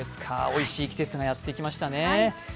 おいしい季節がやってきましたね。